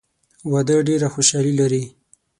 واده ډېره خوشحالي لري.